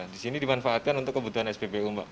di sini dimanfaatkan untuk kebutuhan spbu mbak